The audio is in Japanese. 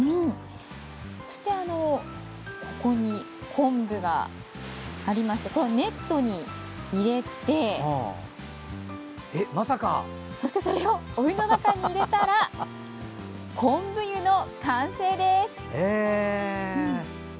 ここに昆布がありましてネットに入れて、そしてそれをお湯の中に入れたら昆布湯の完成です。